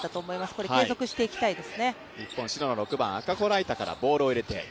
これ、継続していきたいですね。